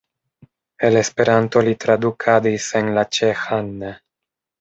El Esperanto li tradukadis en la ĉeĥan.